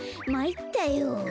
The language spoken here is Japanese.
まいったよ。